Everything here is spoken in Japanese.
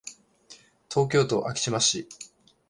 東京都昭島市